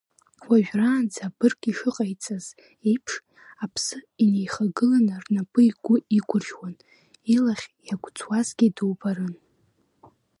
Уажәраанӡа абырг ишыҟаиҵаз еиԥш, аԥсы инеихагыланы рнапы игәы иқәыршьуан, илахь иагәӡуазгьы дубарын.